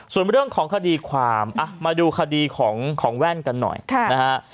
ส่วนเรื่องของคดีความมาดูคดีของแว่นกันหน่อยนะฮะ